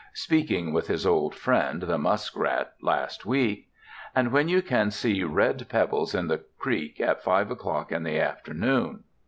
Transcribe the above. Speaking with his old friend, the muskrat, last week.... And when you can see red pebbles in the creek at five o'clock in the afternoon....